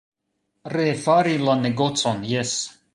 Refari la negocon, jes.